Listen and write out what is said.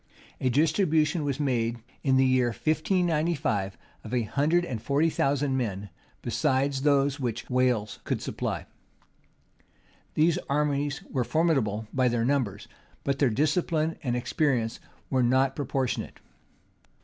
[*] A distribution was made, in the year 1595, of a hundred and forty thousand men, besides those which Wales could supply.[] These armies were formidable by their numbers; but their discipline and experience were not proportionate.